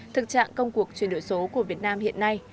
thực trạng công cuộc chuyển đổi số của việt nam hiện nay